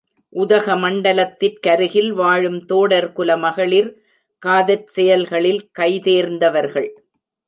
உதகமண்டலத்திற் கருகில் வாழும் தோடர்குல மகளிர் காதற் செயல்களில் கைதேர்ந்தவர்கள்.